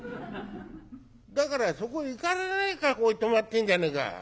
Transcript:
「だからそこへ行かれないからここへ泊まってんじゃねえか。